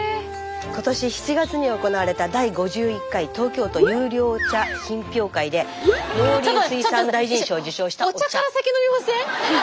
今年７月に行われた第５１回東京都優良茶品評会で農林水産大臣賞を受賞したお茶。